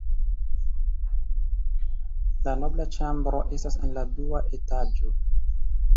La nobla ĉambro estas en la dua etaĝo.